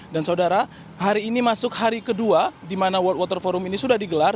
dan saudara hari ini masuk hari kedua di mana world water forum ini sudah digelar